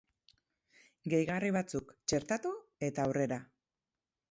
Gehigarri batzuk txertatu eta aurrera!